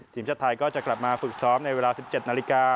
ทีมชาติไทยก็จะกลับมาฝึกซ้อมในเวลา๑๗นาฬิกา